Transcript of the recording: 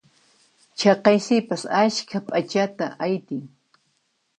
Chaqay sipas askha p'achata aytin.